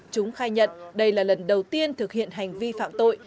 chúng khai nhận đây là lần đầu tiên thực hiện hành vi phạm tội